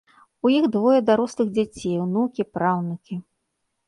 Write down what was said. У іх двое дарослых дзяцей, унукі, праўнукі.